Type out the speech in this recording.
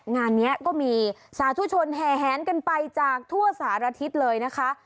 งานนี้ก็มีสาธุชนแห่แหนกันไปจากทั่วสารทิศเลยนะคะ